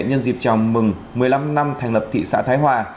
nhân dịp chào mừng một mươi năm năm thành lập thị xã thái hòa